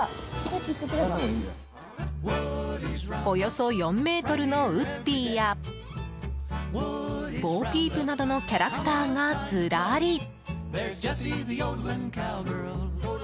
およそ４ｍのウッディやボー・ピープなどのキャラクターがずらり。